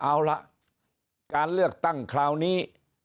เอาล่ะการเลือกตั้งคราวนี้